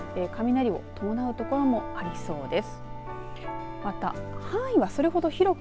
雷を伴う所もありそうです。